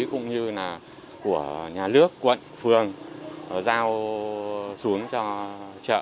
cũng như là của nhà nước quận phường giao xuống cho chợ